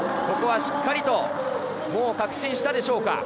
ここはしっかりともう確信したでしょうか。